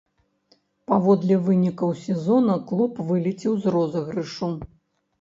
Паводле вынікаў сезона клуб вылецеў з розыгрышу.